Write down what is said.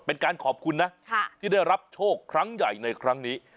เป็นการขอบคุณนะที่ได้รับโชคครั้งใหญ่ในครั้งนี้